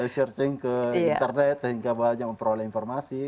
searching ke internet sehingga banyak yang memperoleh informasi